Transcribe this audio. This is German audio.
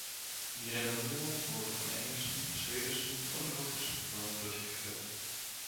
Die Renovierung wurde von englischen, schwedischen und russischen Firmen durchgeführt.